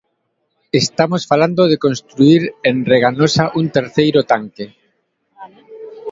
Estamos falando de construír en Reganosa un terceiro tanque.